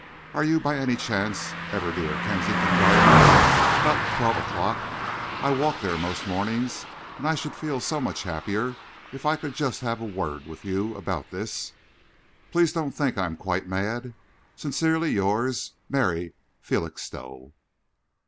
Are you, by any chance, ever near Kensington Gardens about twelve o'clock? I walk there most mornings, and I should feel so much happier if I could have just a word with you about this. Please don't think I am quite mad. Sincerely yours, Mary Felixstowe.